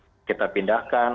baik itu kita pindahkan